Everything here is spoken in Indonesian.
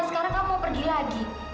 sekarang kamu mau pergi lagi